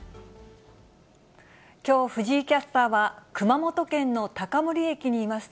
きょう、藤井キャスターは熊本県の高森駅にいます。